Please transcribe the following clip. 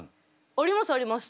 ありますあります。